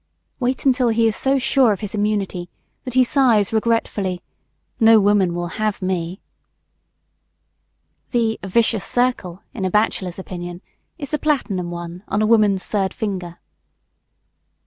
Wait until he is so sure of his immunity that he sighs regretfully, "No woman will have me!" The "vicious circle" in a bachelor's opinion, is the platinum one on a woman's third finger.